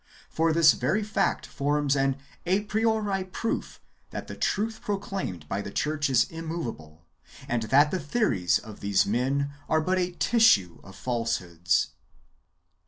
For this very fact forms an a i^riori proof that the truth proclaimed by the church is immoveable, and that the theories of these men are but a tissue of falsehoods.